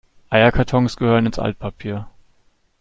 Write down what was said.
Eierkartons gehören ins Altpapier.